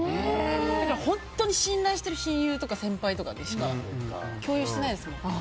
本当に信頼している親友とか先輩とかとしか共有してないですもん。